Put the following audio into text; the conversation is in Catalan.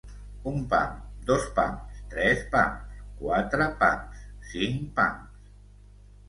Un pam, dos pams, tres pams, quatre pams, cinc pams